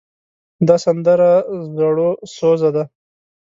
دا سندره زړوسوزه ده.